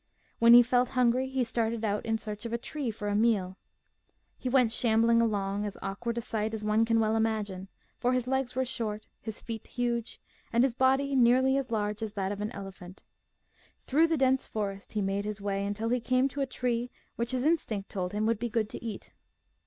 When he felt hungry he started out in search of a tree for a meal. He went shambling along, as awkward a sight as one can well imagine ; for his legs were short, his feet huge, and his body nearly as large as that of an elephant. Through the dense forest he made his way until he came to a tree which his instinct told him would be good to eat.